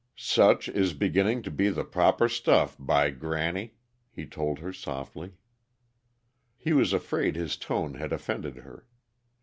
"Such is beginning to be the proper stuff 'by granny," he told her softly. He was afraid his tone had offended her.